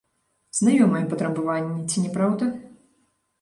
Знаёмыя патрабаванні, ці не праўда?